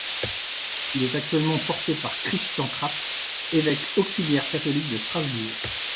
Il est actuellement porté par Christian Kratz, évêque auxiliaire catholique de Strasbourg.